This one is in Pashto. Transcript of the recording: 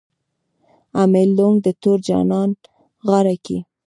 امیل لونګ د تور جانان غاړه کي